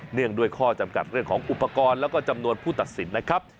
เนื่องด้วยข้อจำกัดเรื่องของอุปกรณ์แล้วก็จำนวนผู้ตัดสินนะครับ